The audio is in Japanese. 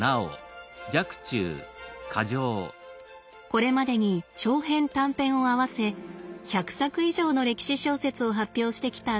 これまでに長編短編を合わせ１００作以上の歴史小説を発表してきた澤田さん。